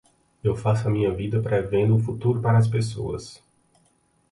Eu faço a minha vida prevendo o futuro para as pessoas